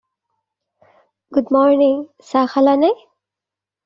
Good morning, চাহ খালানে?